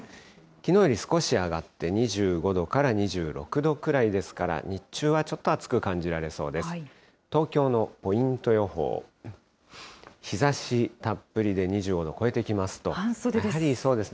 きのうより少し上がって２５度から２６度くらいですから、日中はちょっと暑く感じられそうです。